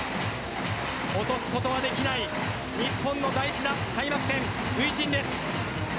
落とすことはできない日本の大事な開幕戦初陣です。